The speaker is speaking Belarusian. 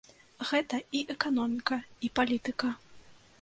Гэта і эканоміка, і палітыка.